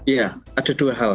ya ada dua hal